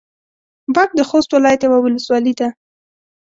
باک د خوست ولايت يوه ولسوالي ده.